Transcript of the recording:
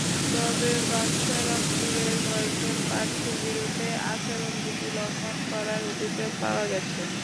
তবে বাঞ্ছারামপুরের কয়েকজন প্রার্থীর বিরুদ্ধে আচরণবিধি লঙ্ঘন করার অভিযোগ পাওয়া গেছে।